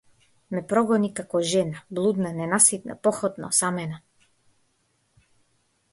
Ме прогони како жена блудна, ненаситна, похотна, осамена.